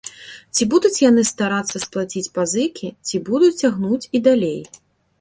Ці будуць яны старацца сплаціць пазыкі, ці будуць цягнуць і далей?